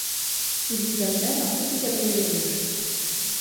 Il lui donne même un petit cabriolet rouge.